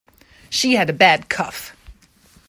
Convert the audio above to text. She had a bad cough.